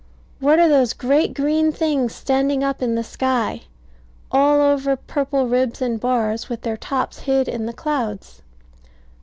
What are those great green things standing up in the sky, all over purple ribs and bars, with their tops hid in the clouds?